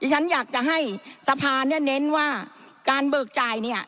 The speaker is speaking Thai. ฉันอยากจะให้สภาเนี่ยเน้นว่าการเบิกจ่ายเนี่ย